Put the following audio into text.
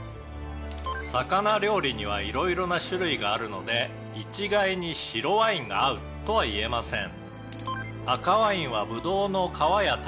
「魚料理には色々な種類があるので一概に白ワインが合うとは言えません」